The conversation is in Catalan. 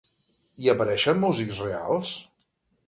Hi apareixen músics reals?